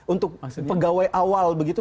untuk pegawai awal begitu